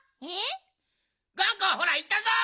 がんこほらいったぞ。